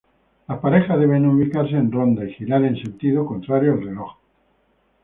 Las parejas deben ubicarse en ronda y girar en sentido contrario al reloj.